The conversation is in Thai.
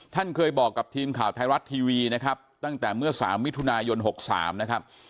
ท่านเคยบอกกับทีมข่าวไทยรัฐทีวีนะครับตั้งแต่เมื่อ๓มิถุนายน๖๓นะครับ